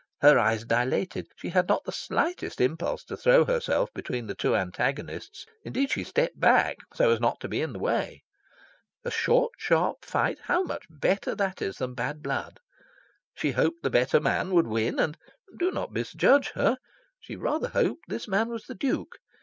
Her eyes dilated. She had not the slightest impulse to throw herself between the two antagonists. Indeed, she stepped back, so as not to be in the way. A short sharp fight how much better that is than bad blood! She hoped the better man would win; and (do not misjudge her) she rather hoped this man was the Duke.